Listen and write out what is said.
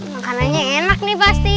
makanannya enak nih pasti